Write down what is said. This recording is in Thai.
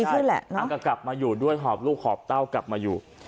ใช่แหละก็กลับมาอยู่ด้วยหอบลูกหอบเต้ากลับมาอยู่